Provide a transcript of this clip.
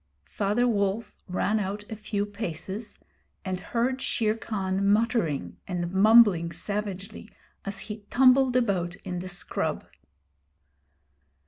Father Wolf ran out a few paces and heard Shere Khan muttering and mumbling savagely, as he tumbled about in the scrub.